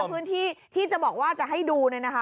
แต่ละพื้นที่ที่จะบอกว่าจะให้ดูน่าค่ะ